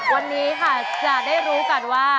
วันนี้ค่ะจะได้รู้กันว่า